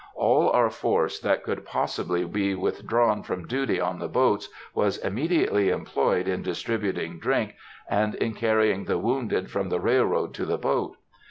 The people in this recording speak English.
All our force that could possibly be withdrawn from duty on the boats was immediately employed in distributing drink, and in carrying the wounded from the railroad to the boat.